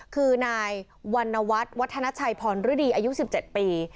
คือนายวรรณวัฒน์วัฒนาชัยพรฤดีอายุ๑๗ปี